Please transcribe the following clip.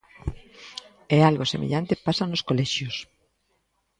E algo semellante pasa nos colexios.